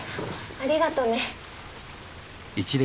ありがとね。